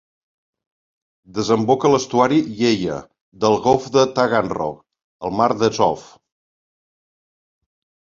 Desemboca a l'estuari Yeya del golf de Taganrog, al mar d'Azov.